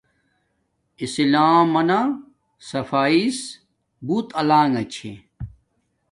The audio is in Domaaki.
اسلام منا صفایس بوت الانݣ چھے